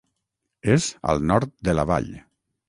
És al nord de la Vall.